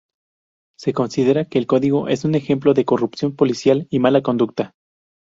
Se considera que el código es un ejemplo de corrupción policial y mala conducta.